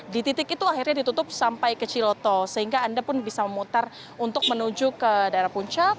di titik itu akhirnya ditutup sampai ke ciloto sehingga anda pun bisa memutar untuk menuju ke daerah puncak